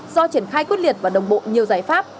do triển khai quyết liệt và đồng bộ nhiều giải pháp